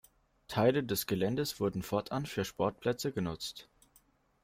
Teile des Geländes wurden fortan für Sportplätze genutzt.